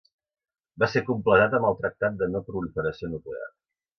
Va ser completat amb el Tractat de No Proliferació Nuclear.